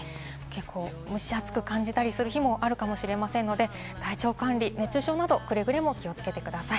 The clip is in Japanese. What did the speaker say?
蒸し暑く感じたりする日もあるかもしれませんので、体調管理、熱中症などに、くれぐれも気をつけてください。